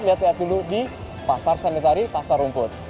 lihat lihat dulu di pasar sanitari pasar rumput